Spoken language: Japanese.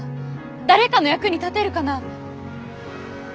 誰かの役に立てるかな？